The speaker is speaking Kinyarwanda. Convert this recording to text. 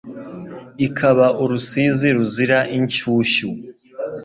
Ikaba urusizi ruzira inshushyu